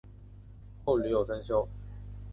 后屡有增修。